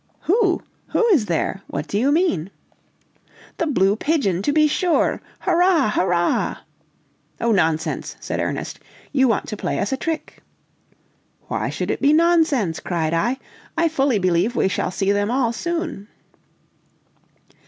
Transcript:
"Who? Who is there? What do you mean?" "The blue pigeon, to be sure! Hurrah! Hurrah!" "Oh, nonsense!" said Ernest. "You want to play us a trick." "Why should it be 'nonsense'?" cried I. "I fully believe we shall see them all soon!"